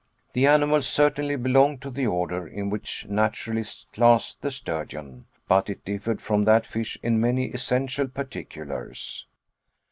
The animal certainly belonged to the order in which naturalists class the sturgeon, but it differed from that fish in many essential particulars.